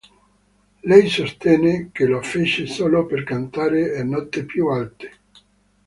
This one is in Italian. Lei sostenne che lo fece solo per "cantare note più alte".